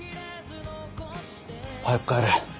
早く帰れ。